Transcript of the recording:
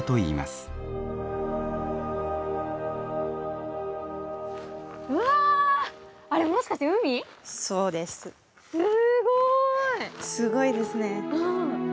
すごいですね。